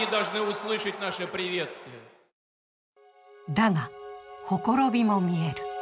だが、ほころびも見える。